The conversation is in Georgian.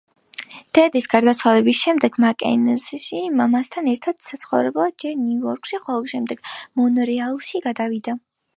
დედის გარდაცვალების შემდეგ, მაკენზი მამამისთან ერთად საცხოვრებლად ჯერ ნიუ-იორკში, ხოლო შემდეგ მონრეალში გადავიდა.